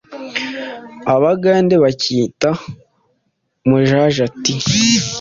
abagande bacyita mujaja tea